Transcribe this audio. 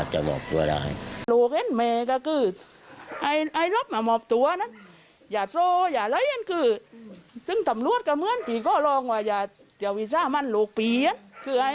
หมายถึงถ้าบ้าไปคุยอย่างนั้นหรือ